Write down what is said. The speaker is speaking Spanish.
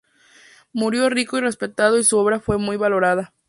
Murió rico y respetado y su obra fue muy valorada.